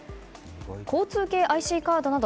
交通系ＩＣカードなど